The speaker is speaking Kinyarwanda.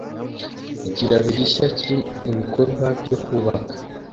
Ikiraro gishya kiri mubikorwa byo kubaka.